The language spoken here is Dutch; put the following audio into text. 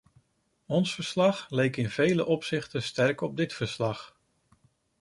Ons verslag leek in vele opzichten sterk op dit verslag.